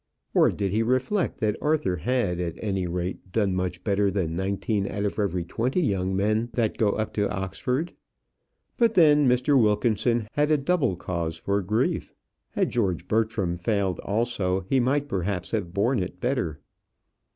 or, did he reflect that Arthur had, at any rate, done much better than nineteen out of every twenty young men that go up to Oxford? But then Mr. Wilkinson had a double cause for grief. Had George Bertram failed also, he might perhaps have borne it better.